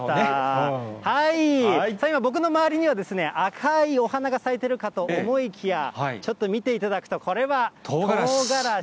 今、僕の周りには赤いお花が咲いてるかと思いきや、ちょっと見ていただくと、これはとうがらし。